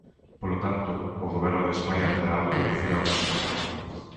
Polo tanto, o Goberno de España terá algo que dicir ao respecto.